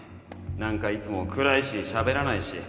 何かいつも暗いししゃべらないし